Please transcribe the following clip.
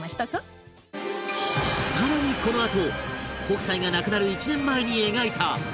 更にこのあと北斎が亡くなる１年前に描いた